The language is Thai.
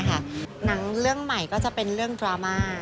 หนังเรื่องใหม่ก็จะเป็นเรื่องดราม่า